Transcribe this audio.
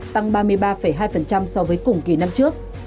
tăng ba mươi ba hai so với cùng kỳ năm trước